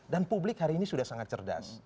dan publik hari ini sudah sangat cerdas